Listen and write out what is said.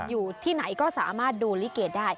อยู่ที่ไหนก็สามารถดูลิเกได้